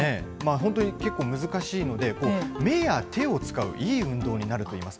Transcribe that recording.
本当に結構難しいので、目や手を使ういい運動になるといいます。